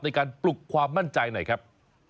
ในการปลุกความมั่นใจหน่อยครับ